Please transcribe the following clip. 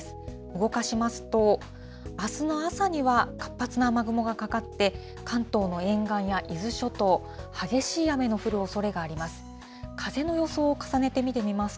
動かしますと、あすの朝には、活発な雨雲がかかって、関東の沿岸や伊豆諸島、激しい雨の降るおそれがあります。